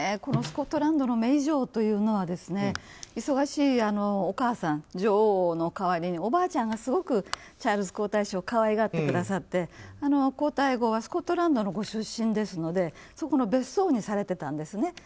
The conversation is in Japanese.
スコットランドのメイ城というのは忙しいお母さん、女王の代わりにおばあちゃんがすごくチャールズ皇太子を可愛がってくださって皇太后はスコットランドのご出身ですのでそこの別荘にされていたんですね。